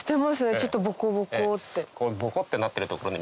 ちょっとボコボコって。